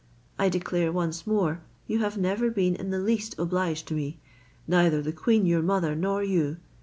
I declare once more you have never been in the least obliged to me, neither the queen your mother nor you.